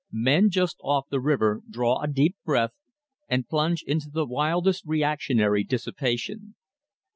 Men just off the river draw a deep breath, and plunge into the wildest reactionary dissipation.